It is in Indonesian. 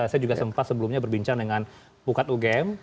saya juga sempat sebelumnya berbincang dengan pukat ugm